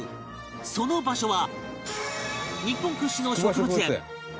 その場所は